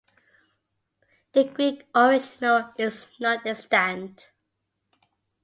The Greek original is not extant.